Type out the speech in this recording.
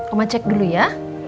omah cek dulu ya